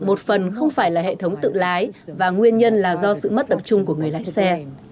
một phần không phải là hệ thống tự lái và nguyên nhân là do sự mất tập trung của người lái xe